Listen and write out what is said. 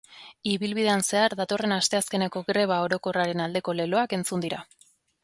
Ibilbidean zehar datorren asteazkeneko greba orokorraren aldeko leloak entzun dira.